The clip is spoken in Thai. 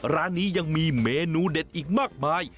ร้านนี้ยังมีเมนูเด็ดอีกมากมาย